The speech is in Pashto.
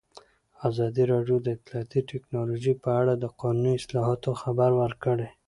ازادي راډیو د اطلاعاتی تکنالوژي په اړه د قانوني اصلاحاتو خبر ورکړی.